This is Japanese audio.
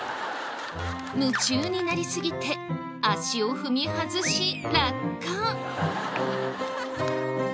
夢中になりすぎて足を踏み外し落下。